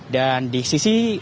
dan di sisi